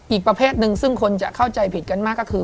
อีกประเภทหนึ่งซึ่งคนจะเข้าใจผิดกันมากก็คือ